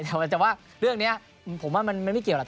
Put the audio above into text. แต่ว่าเรื่องนี้ผมว่ามันไม่เกี่ยวหรอก